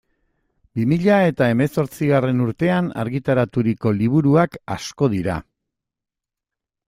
Bi mila eta hemezortzigarren urtean argitaraturiko liburuak asko dira.